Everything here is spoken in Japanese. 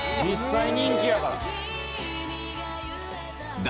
実際人気やから。